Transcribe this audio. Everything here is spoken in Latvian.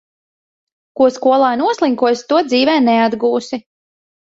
Ko skolā noslinkosi, to dzīvē neatgūsi.